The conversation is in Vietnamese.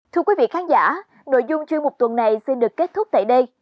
thưa quý vị khán giả nội dung chuyên mục tuần này xin được kết thúc tại đây